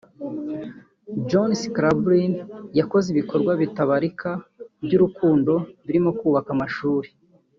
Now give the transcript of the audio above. John Scalabrini yakoze ibikorwa bitabarika by’urukundo birimo kubaka amashuri